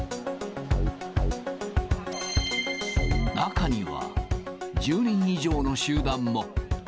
中には、１０人以上の集団も。